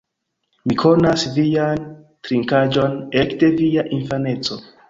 Mi konas vian trinkaĵon ekde via infaneco